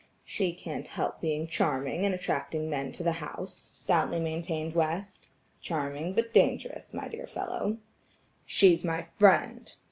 "She can't help being charming and attracting men to the house," stoutly maintained West. "Charming, but dangerous, my dear fellow." "She's my friend.